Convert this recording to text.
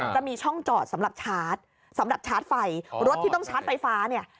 จะมีช่องจอดสำหรับชาร์จสำหรับชาร์จไฟรถที่ต้องชาร์จไฟฟ้าเนี่ย